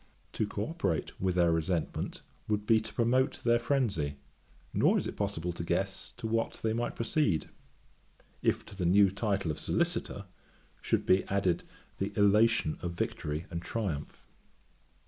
To co operate with their resentment would be to promote their phrenzy; nor is it possible to guess to what they might proceed, if to the new title of Solicitor, should be added the elation of victory and triumph.